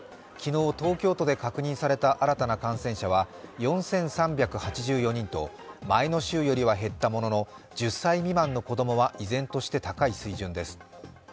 昨日、東京都で確認された新たな感染者は４３８４人と前の週よりは減ったものの１０歳未満の子供は依然として高い水準です。